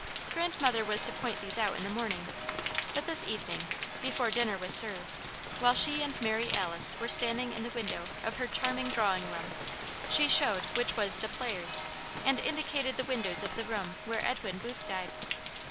Godmother was to point these out in the morning; but this evening, before dinner was served, while she and Mary Alice were standing in the window of her charming drawing room, she showed which was The Players, and indicated the windows of the room where Edwin Booth died.